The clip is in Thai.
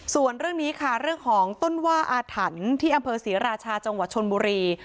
ส่วนเรื่องนี้ค่ะเรื่องของต้นว่าอาถรรพ์ที่อำเภอศรีราชาจังหวัดชนบุรี